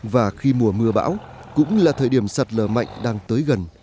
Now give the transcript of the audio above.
và khi mùa mưa bão cũng là thời điểm sạt lở mạnh đang tới gần